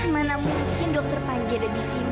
mana mungkin dokter panji ada di sini